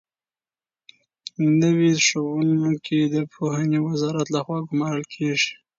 نوي ښوونکي د پوهنې وزارت لخوا ګومارل کېږي.